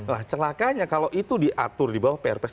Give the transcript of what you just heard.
nah celakanya kalau itu diatur di bawah pr press